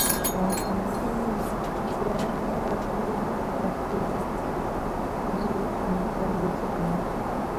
wa utamaduni wa Kiganda rumba ya Kati ya Afrika Zouk na raga Jose Chameleone